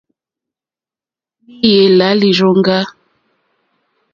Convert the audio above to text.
Lìyɛ́ lá līrzīkà.